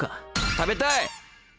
食べたい！